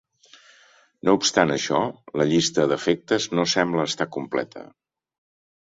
No obstant això, la llista d'afectes no sembla estar completa.